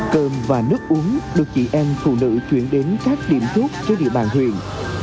cơm và nước uống được chị em phụ nữ chuyển đến các điểm chốt trên địa bàn huyền